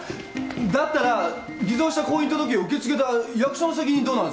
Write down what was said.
だったら偽造した婚姻届を受け付けた役所の責任どうなるんすか？